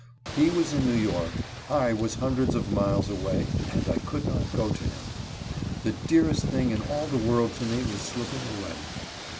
He was in New York; I was hundreds of miles away, and I could not go to him. The dearest thing in all the world to me was slipping away.